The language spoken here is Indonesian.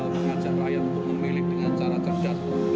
mengajak rakyat untuk memilih dengan cara cerdas